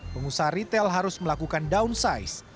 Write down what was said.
pengusaha ritel harus melakukan downsize